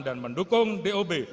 dan mendukung dob